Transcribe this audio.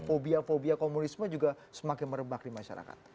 fobia fobia komunisme juga semakin merebak di masyarakat